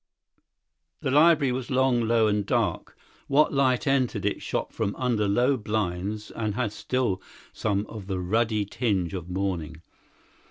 The library was long, low, and dark; what light entered it shot from under low blinds and had still some of the ruddy tinge of morning.